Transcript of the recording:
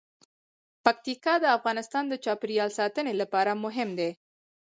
پکتیکا د افغانستان د چاپیریال ساتنې لپاره مهم دي.